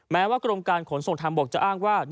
แม้ว่ากรมการขนส่งทางบกจะอ้างว่า